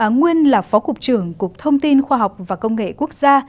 nguyên là phó cục trưởng cục thông tin khoa học và công nghệ quốc gia